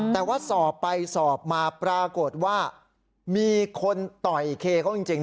แต่ว่าสอบไปสอบมาปรากฏว่ามีคนต่อยเคเขาจริง